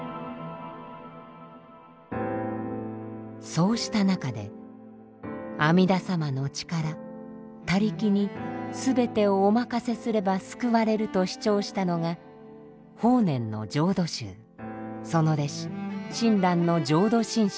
そうした中で阿弥陀様の力「他力」に全てをお任せすれば救われると主張したのが法然の浄土宗その弟子親鸞の浄土真宗です。